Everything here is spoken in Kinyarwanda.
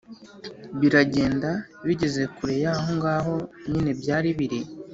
biragenda, bigeze kure y’aho ngaho nyine byari biri,